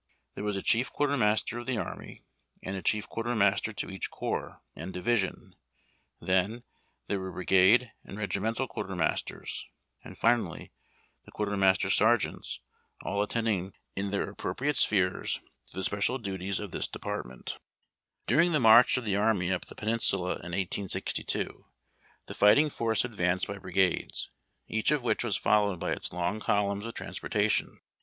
There was a chief quartermaster of tlie army, and a chief quartermaster to each corps and division ; then, there were brigade and regimental quartermasters, and finally the quartermaster sergeants, all attending in their appropri ate spheres to the special duties of this department. ^56 UAHD TACK AND COFFEE. During the march of the army up the Peninsula in 1862, the fighting force advanced by brigades, each of which was followed by its long columns of transportation.